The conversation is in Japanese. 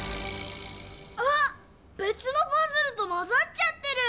あっ⁉べつのパズルとまざっちゃってる！